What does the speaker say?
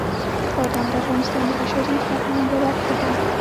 بادام د افغانستان د بشري فرهنګ یوه برخه ده.